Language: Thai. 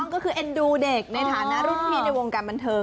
ก็คือเอ็นดูเด็กในฐานะรุ่นพี่ในวงการบันเทิง